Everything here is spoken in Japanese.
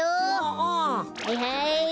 はいはい。